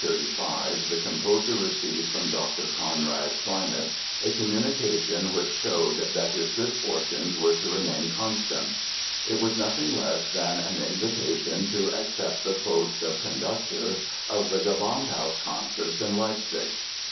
Early in 1835 the composer received from Dr. Conrad Schleinitz a communication which showed that his good fortunes were to remain constant. It was nothing less than an invitation to accept the post of conductor of the Gewandhaus concerts in Leipzig.